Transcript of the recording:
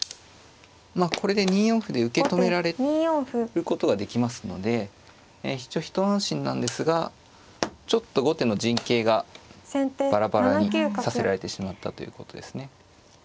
まあこれで２四歩で受け止めることができますので一応一安心なんですがちょっと後手の陣形がバラバラにさせられてしまったということですね。